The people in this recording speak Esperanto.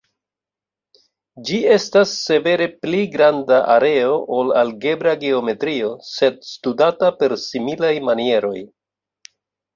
Ĝi estas severe pli granda areo ol algebra geometrio, sed studata per similaj manieroj.